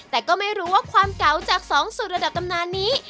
แต่ก็ไม่รู้ว่าความเก่าจากสองสูตรระดับตำนานนี้